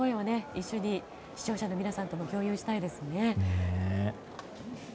一緒に、視聴者の皆さんとも共有したいですよね。